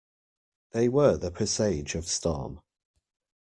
They were the presage of storm.